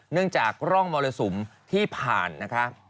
เนื่องจากร่องมอเรศมที่ผ่านนะคะ